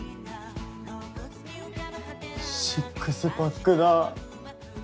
シックスパックだ。